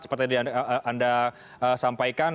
seperti yang anda sampaikan